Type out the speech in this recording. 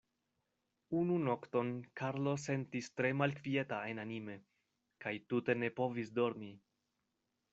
Unu nokton Karlo sentis tre malkvieta enanime, kaj tute ne povis dormi.